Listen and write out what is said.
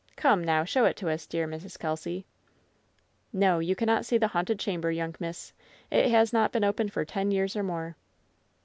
Come, now, show it to us, dear Mrs. Kelsy." "No, you cannot see the haunted chamber, young miss. It has not been opened for ten years or more."